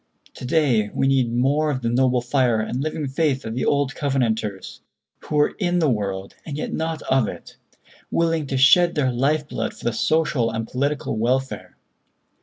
"To day we need more of the noble fire and living faith of the old Covenanters, who were in the world and yet not of it, willing to shed their life blood for the social and political welfare.